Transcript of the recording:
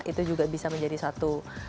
itu juga bisa menjadi suatu